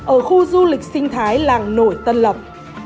ở khu du lịch sinh thái làng nổi tân lộc